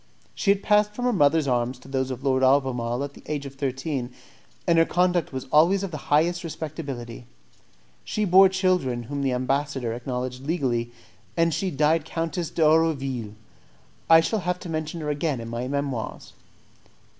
She had passed from her mother's arms to those of Lord Albemarle at the age of thirteen, and her conduct was always of the highest respectability. She bore children whom the ambassador acknowledged legally, and she died Countess d'Erouville. I shall have to mention her again in my Memoirs.